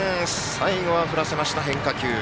最後は振らせました、変化球。